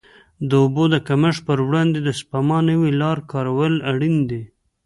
د اوبو د کمښت پر وړاندې د سپما نوې لارې کارول اړین دي.